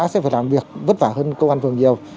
sẽ phải làm việc vất vả hơn công an phường nhiều